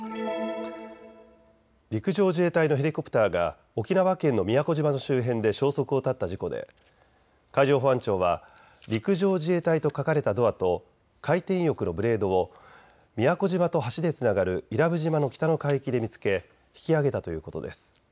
陸上自衛隊のヘリコプターが沖縄県の宮古島の周辺で消息を絶った事故で海上保安庁は陸上自衛隊と書かれたドアと回転翼のブレードを宮古島と橋でつながる伊良部島の北の海域で見つけ引き揚げたということです。